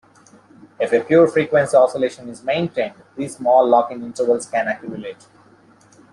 If a pure frequency oscillation is maintained, these small lock-in intervals can accumulate.